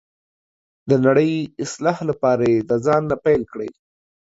د نړۍ اصلاح لپاره یې د ځانه پیل کړئ.